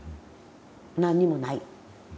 何にもない。